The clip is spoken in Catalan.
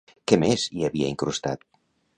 Què més hi havia incrustat?